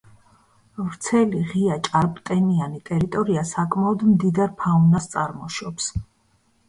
ვრცელი, ღია ჭარბტენიანი ტერიტორია საკმაოდ მდიდარ ფაუნას წარმოშობს.